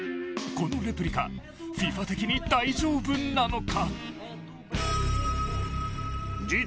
このレプリカＦＩＦＡ的に大丈夫なのか。